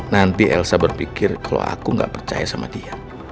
nanti elsa berpikir kalau aku nggak percaya sama dia